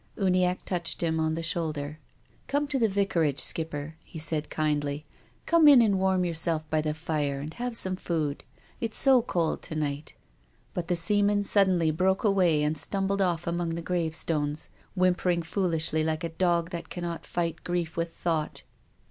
Uniacke touched him on the shoulder. " Come to the Vicarage, Skipper," he said kind ly. " Come in and warm yourself by the fire and have some food. It's so cold to night." But the seaman suddenly broke away and stumbled off among the gravestones, whimpering foolishly like a dog that cannot fight grief with thought.